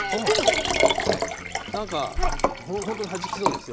なんか、本当にはじきそうですよ。